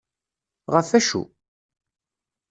Ɣef acu?